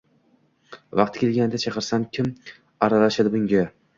vaqgi kelganda chiqarsam, kim aralashadi bunga?